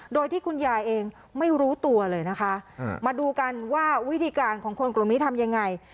โดยที่คุณยายเองไม่รู้ตัวเลยนะคะมาดูกันว่าวิธีการของคนกลุ่มนี้ทำยังไง